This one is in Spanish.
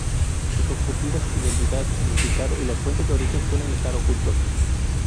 Sus objetivos, identidad, significado y las fuentes de origen suelen estar ocultos.